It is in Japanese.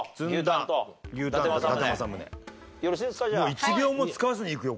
１秒も使わずにいくよ